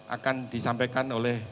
akan disampaikan oleh